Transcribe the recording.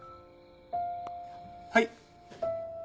⁉はい。